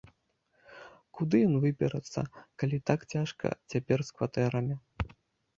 Куды ён выберацца, калі так цяжка цяпер з кватэрамі.